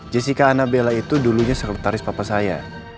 jessica annabela itu dulunya sekretaris papa saya